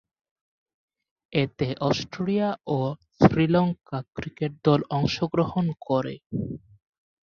এতে অস্ট্রেলিয়া ও শ্রীলঙ্কা ক্রিকেট দল অংশগ্রহণ করে।